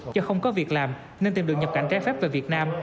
do không có việc làm nên tìm được nhập cảnh trái phép về việt nam